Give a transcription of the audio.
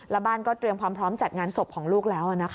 แล้วบ้านก็เตรียมความพร้อมจัดงานศพของลูกแล้ว